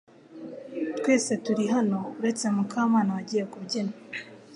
Twese turi hano uretse Mukamana wagiye kubyina .